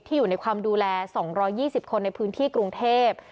อยู่ในความดูแล๒๒๐คนในพื้นที่กรุงเทพ